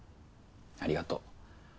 ありがとう。